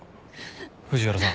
藤原さん